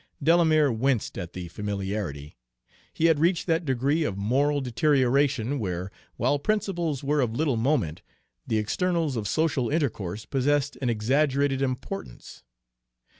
Delamere winced at the familiarity. He had reached that degree of moral deterioration where, while principles were of little moment, the externals of social intercourse possessed an exaggerated importance.